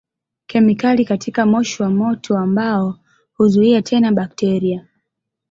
Kemikali katika moshi wa moto wa mbao huzuia tena bakteria.